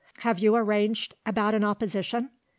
"Have you arranged about an opposition?"